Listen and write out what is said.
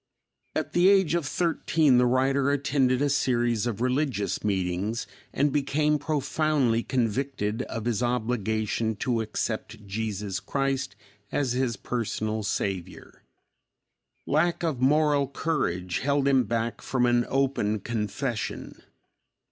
At the age of thirteen, the writer attended a series of religious meetings and became profoundly convicted of his obligation to accept Jesus Christ as his personal Savior. Lack of moral courage held him back from an open confession.